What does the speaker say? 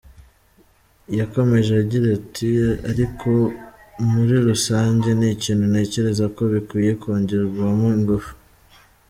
Yakomeje agira ati “Ariko muri rusange ni ikintu ntekerezako bikwiye kongeramo ingufu.